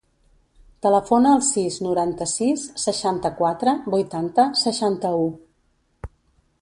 Telefona al sis, noranta-sis, seixanta-quatre, vuitanta, seixanta-u.